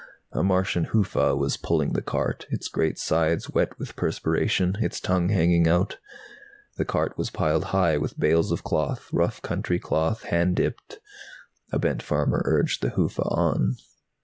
A Martian hufa was pulling the cart, its great sides wet with perspiration, its tongue hanging out. The cart was piled high with bales of cloth, rough country cloth, hand dipped. A bent farmer urged the hufa on.